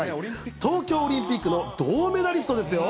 東京オリンピックの銅メダリストですよ。